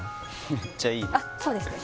めっちゃいい・あっそうですね